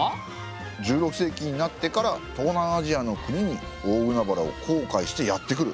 １６世紀になってから東南アジアの国に大海原を航海してやって来る？